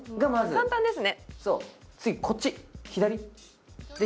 簡単ですね。